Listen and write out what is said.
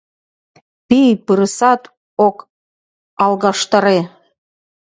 Пий-пырысат ок алгаштаре.